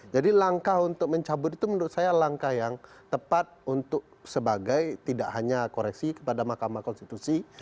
jadi langkah untuk mencabut itu menurut saya langkah yang tepat untuk sebagai tidak hanya koreksi kepada mahkamah konstitusi